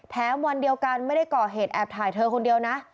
วันเดียวกันไม่ได้ก่อเหตุแอบถ่ายเธอคนเดียวนะ